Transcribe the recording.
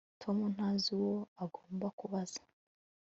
Tom ntazi uwo agomba kubaza